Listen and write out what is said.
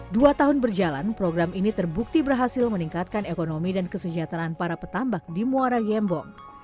dua tahun berjalan program ini terbukti berhasil meningkatkan ekonomi dan kesejahteraan para petambak di muara gembong